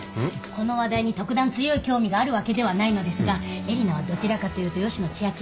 この話題に特段強い興味があるわけではないのですがえりなはどちらかというと吉野千明派だったのでは？